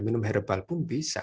minum herbal pun bisa